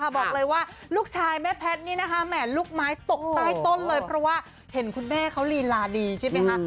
บอกเลยว่าลูกชายแม่แพทย์นี่นะคะแหม่ลูกไม้ตกใต้ต้นเลยเพราะว่าเห็นคุณแม่เขาลีลาดีใช่ไหมคะ